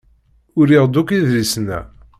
Uriɣ-d akk idlisen-a.